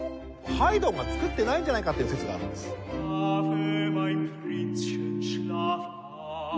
ハイドンが作ってないんじゃないかっていう説があるんです。